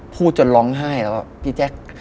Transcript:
พูดจนร้องไห้แล้วอะพี่แจ๊ค